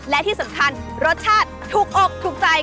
และที่สำคัญรสชาติถูกอกถูกใจ